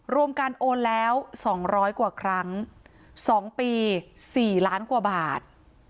รวมกันโอนแล้วสองร้อยกว่าครั้งสองปีสี่ล้านกว่าบาท